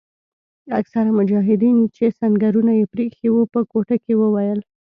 اکثره مجاهدین چې سنګرونه یې پریښي وو په کوټه کې وویل.